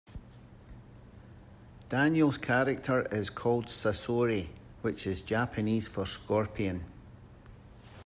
Daniel's character is called Sasori, which is Japanese for Scorpion.